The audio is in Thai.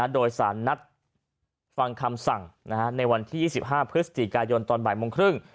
โดยสารนัดฟังคำสั่งในวันที่๒๕พฤศจิกายนตอนบ่ายโมงครึ่ง